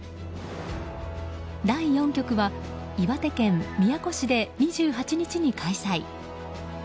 第４局は岩手県宮古市で２８日に開催。